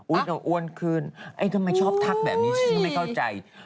อุ๊ยหนูอ้วนขึ้นทำไมชอบทักแบบนี้ฉันไม่เข้าใจ